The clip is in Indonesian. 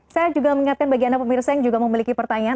saya juga mengingatkan bagi anda pemirsa yang juga memiliki pertanyaan